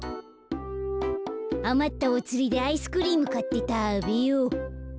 あまったおつりでアイスクリームかってたべよう。